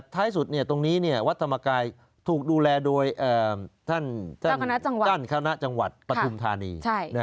ท้ายสุดตรงนี้วัดธรรมกายถูกดูแลโดยท่านคณะจังหวัดปฐุมธานี